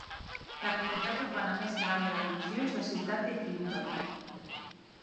La comunitat urbana més gran de la divisió és la ciutat de Hinton.